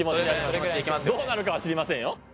どうなるかは知りませんよ。